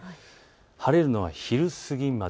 晴れるのは昼過ぎまで。